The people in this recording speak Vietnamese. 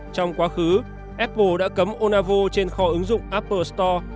trong quá khứ apple đã cấm onavo trên kho ứng dụng apple store